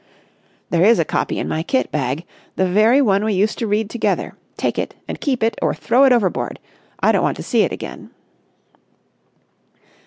"There is a copy in my kit bag. The very one we used to read together. Take it and keep it or throw it overboard. I don't want to see it again."